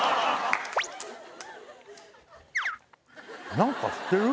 何かしてる？